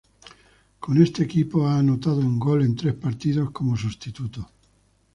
Con este equipo ha anotado un gol en tres partidos como sustituto.